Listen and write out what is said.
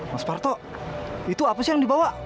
mas parto itu apa sih yang dibawa